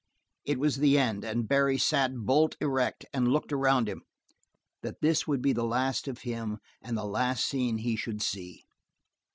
It was the end, and Barry sat bolt erect and looked around him; that would be the last of him and the last scene he should see.